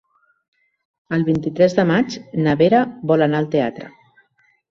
El vint-i-tres de maig na Vera vol anar al teatre.